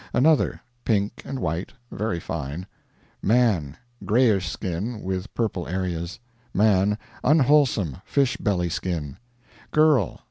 Another. Pink and white, very fine. Man. Grayish skin, with purple areas. Man. Unwholesome fish belly skin. Girl.